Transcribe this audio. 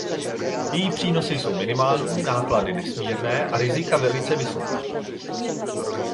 Její přínosy jsou minimální, náklady nesmírné a rizika velice vysoká.